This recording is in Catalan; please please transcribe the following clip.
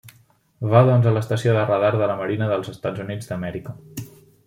Va doncs a l'estació de radar de la Marina dels Estats Units d'Amèrica.